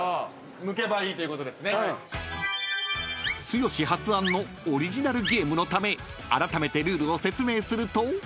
［剛発案のオリジナルゲームのためあらためてルールを説明すると］